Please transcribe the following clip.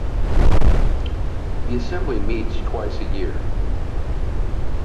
The assembly meets twice a year.